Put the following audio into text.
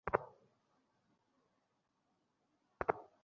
সাম-এর পুত্ররা হলো আরব, ফারিস ও রূম।